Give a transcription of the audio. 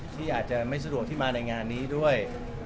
ที่อาจจะไม่สะดวกที่มาในงานนี้ด้วย